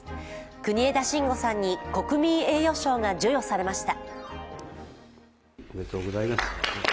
国枝慎吾さんに国民栄誉賞が授与されました。